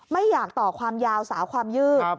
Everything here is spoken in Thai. ไม่อยากต่อความยาวสาวความยืด